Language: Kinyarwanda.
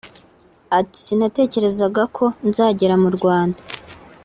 Ati “Sinatekerezaga ko nzagera mu Rwanda